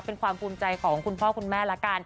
เป็นความภูมิใจของคุณพ่อคุณแม่ละกัน